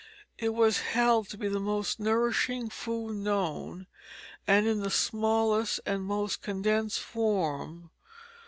It was held to be the most nourishing food known, and in the smallest and most condensed form.